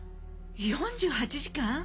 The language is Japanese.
４８時間？